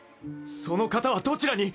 その方はどちらに？